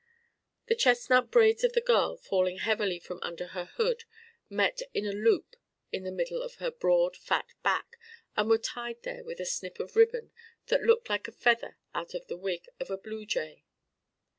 The chestnut braids of the girl falling heavily from under her hood met in a loop in the middle of her broad fat back and were tied there with a snip of ribbon that looked like a feather out of the wing of a bluejay.